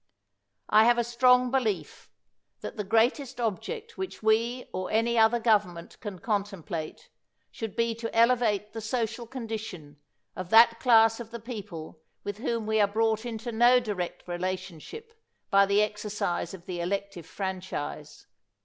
I have a strong belief that the greatest object which we or any other government can contem plate shouM be to elevate the social condition of that class of the people with whom we ar» brought into no direct relationship by the exer cise of the elective franchise.